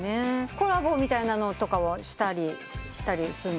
コラボみたいなのとかはしたりするんですか？